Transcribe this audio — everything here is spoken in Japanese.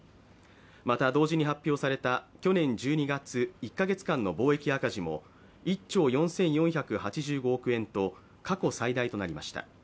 また、同時に発表された去年１２月１か月間の貿易赤字も１兆４４８５億円と過去最大となりました。